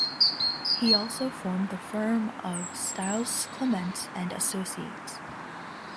He also formed the firm of Stiles Clements and Associates.